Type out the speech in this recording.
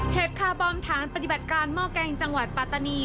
คาร์บอมฐานปฏิบัติการหม้อแกงจังหวัดปัตตานี